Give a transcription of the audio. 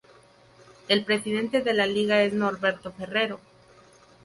El presidente de la Liga es Norberto Ferrero.